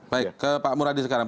baik ke pak muradi sekarang